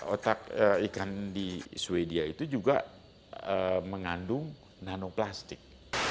otak ikan di sweden itu juga mengandung nanoplastik